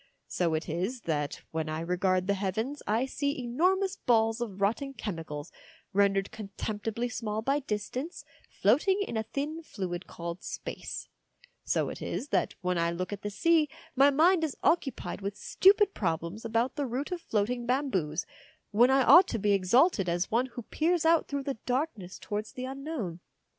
So it is that when I regard the heavens I see enormous balls of rotting chemicals, rendered contemptibly small by distance, floating in a thin fluid called space ; so it is that when I look at the sea my mind is occupied with stupid problems about the route, of floating bamboos, when I ought to be exalted as one who peers out through the darkness towards the Un known.